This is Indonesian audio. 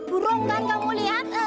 burungkan kamu lihat